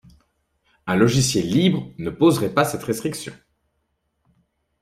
Un logiciel libre ne poserait pas cette restriction.